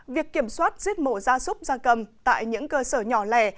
việc kiểm soát giết mổ ra súc ra cầm tại những cơ sở nhỏ lẻ